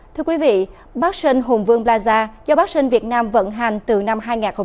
thưa quý vị bắc sơn hùng vương plaza do bắc sơn việt nam vận hành từ năm hai nghìn bảy